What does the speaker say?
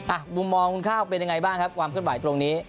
มุมมองคุณข้าวเป็นยังไงบ้างครับความขึ้นไหวตรงนี้